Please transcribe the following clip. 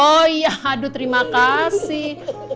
oh iya aduh terima kasih